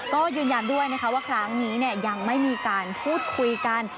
ก็ยืนยันด้วยนะคะว่าครั้งนี้ยังไม่มีการพูดคุยกัน